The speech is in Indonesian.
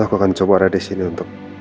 aku akan coba berada disini untuk